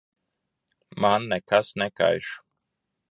Man nekas nekaiš.